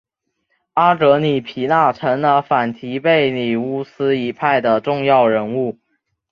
阿格里皮娜成了反提贝里乌斯一派的重要人物。